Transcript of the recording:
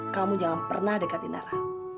kamu jangan pernah dekatin nara